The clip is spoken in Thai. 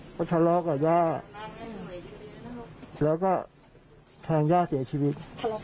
ก็ชะลอกับย่าแล้วก็แทงย่าเสียชีวิต